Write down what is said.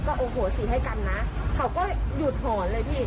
โอโหสิให้กันนะเขาก็หยุดหอนเลยพี่